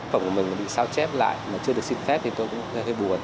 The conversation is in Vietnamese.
phẩm của mình bị sao chép lại mà chưa được xin phép thì tôi cũng hơi buồn